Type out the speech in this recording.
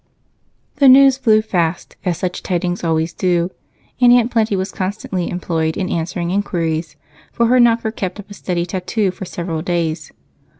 The news flew fast, as such tidings always do, and Aunt Plenty was constantly employed in answering inquiries, for her knocker kept up a steady tattoo for several days.